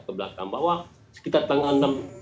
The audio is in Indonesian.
ke belakang bawah sekitar tengah enam